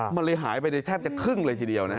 มันเลยหายไปในแทบจะครึ่งเลยทีเดียวนะ